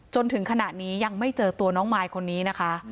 จนถึงขณะนี้ยังไม่เจอตัวน้องมายคนนี้นะคะ